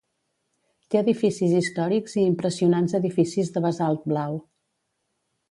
Té edificis històrics i impressionants edificis de basalt blau.